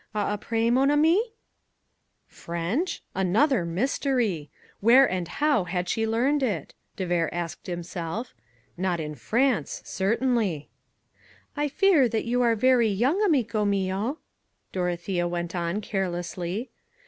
Eh apres, mon ami?" French? Another mystery! Where and how had she learned it? de Vere asked himself. Not in France, certainly. "I fear that you are very young, amico mio," Dorothea went on carelessly.